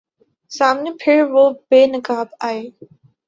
سامنے پھر وہ بے نقاب آئے